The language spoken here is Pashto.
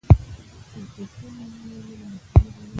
چهلستون ماڼۍ ولې مشهوره ده؟